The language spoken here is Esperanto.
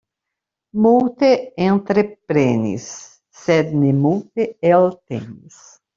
Multe entreprenis, sed ne multe eltenis.